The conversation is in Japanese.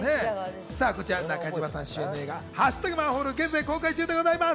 中島さん主演の映画『＃マンホール』は現在公開中でございます。